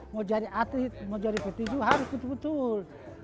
mau jadi atlet mau jadi petinju harus betul betul